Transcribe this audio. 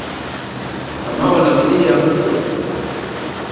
Kamau ana bidii ya mchwa